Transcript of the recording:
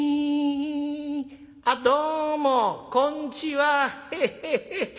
あっどうもこんちは。ヘッヘッヘッ」。